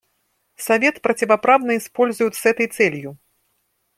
Совет противоправно используют с этой целью.